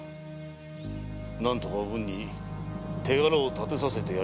何とかおぶんに手柄を立てさせてやりたいものよな。